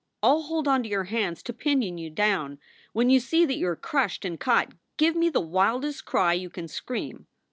I ll hold on to your hands to pinion you down. When you see that you are crushed and caught, give me the wildest cry you can scream